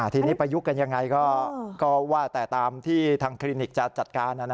ทีนี้ประยุกต์กันยังไงก็ว่าแต่ตามที่ทางคลินิกจะจัดการ